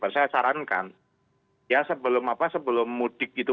karena kan ya sebelum apa sebelum mudik gitu